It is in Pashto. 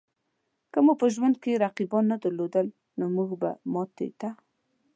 که مو په ژوند کې رقیبان نه درلودای؛ نو مونږ به ماتې ته